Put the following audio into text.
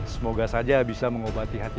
semoga saja bisa mengobati hati